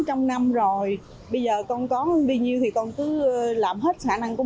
trong đó môn ngữ văn và toán có thời gian làm bài một trăm hai mươi phút